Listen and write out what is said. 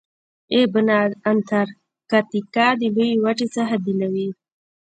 ابنا د انتارکتیکا د لویې وچې څخه بیلوي.